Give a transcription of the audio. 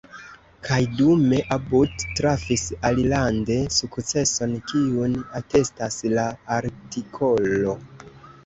Kaj dume About trafis alilande sukceson, kiun atestas la artikolo.